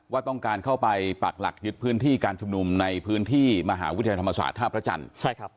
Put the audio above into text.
ว่าต้องการเข้าไปปักหลักยึดพื้นที่การชุมนุมในพื้นที่มหาวิทยาลัยธรรมศาสตร์ท่าพระจันทร์ใช่ครับ